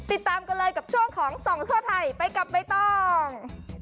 ติดตามกันเลยกับช่วงของส่องทั่วไทยไปกับใบตอง